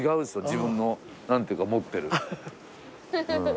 自分の何ていうか持ってる。